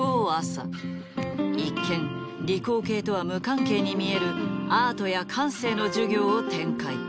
一見理工系とは無関係に見えるアートや感性の授業を展開。